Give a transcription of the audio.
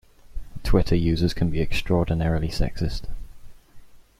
Twitter users can be extraordinarily sexist